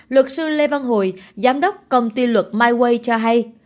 luật sư lê văn hồi giám đốc công ty luật mai cho hay